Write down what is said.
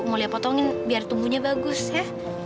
mau lia potongin biar tumbuhnya bagus ya